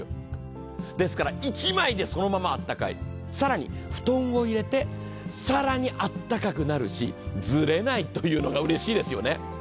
ですから、１枚でそのままあったかい、布団を入れて更にあったかくなるし、ずれないというのがうれしいですよね。